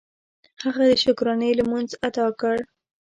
هغه د شکرانې لمونځ ادا کړ.